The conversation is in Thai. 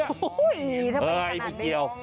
อุ้ยทำไมขนาดนี้เฮ้ยมันเก่ง